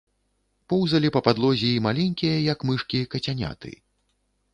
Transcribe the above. Поўзалі па падлозе і маленькія, як мышкі, кацяняты.